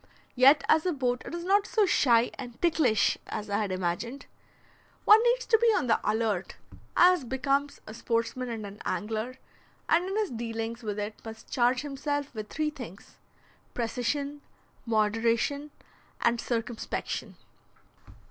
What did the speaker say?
Yet as a boat it is not so shy and "ticklish" as I had imagined. One needs to be on the alert, as becomes a sportsman and an angler, and in his dealings with it must charge himself with three things, precision, moderation, and circumspection.